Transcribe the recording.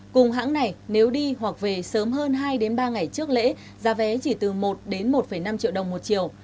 cùng hãng này nếu đi hoặc về sớm hơn hai ba ngày trước lễ giá vé chỉ từ một đến một năm triệu đồng một triệu